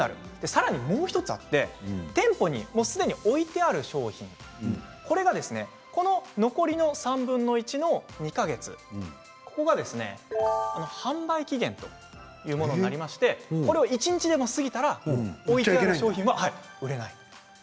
さらに、もう１つあって店舗にすでに置いてある商品これが残りの３分の１の２か月ここが販売期限というものになりまして一日でも過ぎたら売れないんです。